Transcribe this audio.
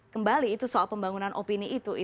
kembali itu soal pembangunan opini itu